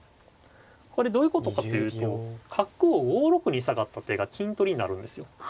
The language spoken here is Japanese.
これどういうことかというと角を５六に下がった手が金取りになるんですよ。